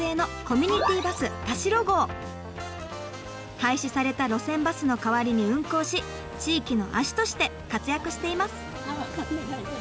廃止された路線バスの代わりに運行し地域の足として活躍しています。